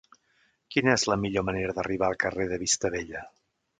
Quina és la millor manera d'arribar al carrer de Vista Bella?